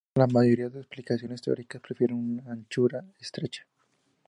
La mayoría de explicaciones teóricas prefieren una anchura estrecha.